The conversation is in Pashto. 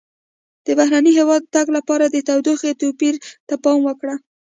د بهرني هېواد د تګ لپاره د تودوخې توپیر ته پام وکړه.